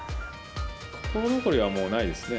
心残りはもうないですね。